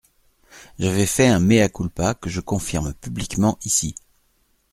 J’avais fait un mea culpa que je confirme publiquement ici.